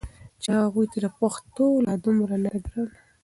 چې هغوی ته پښتو لا دومره نه ده ګرانه